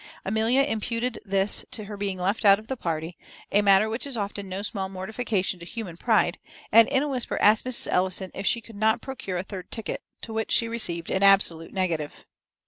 Amelia imputed this to her being left out of the party, a matter which is often no small mortification to human pride, and in a whisper asked Mrs. Ellison if she could not procure a third ticket, to which she received an absolute negative.